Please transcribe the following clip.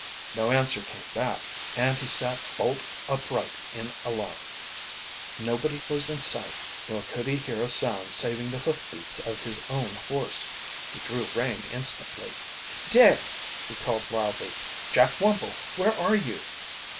No answer came back, and he sat bolt upright in alarm. Nobody was in sight, nor could he hear a sound saving the hoof beats of his own horse. He drew rein instantly. "Dick!" he called loudly. "Jack Wumble! Where are you?"